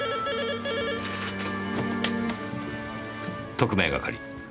特命係。